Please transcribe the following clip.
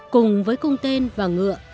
cùng với cung tên và ngựa